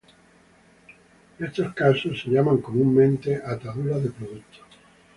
Estos casos son llamados comúnmente ataduras de productos.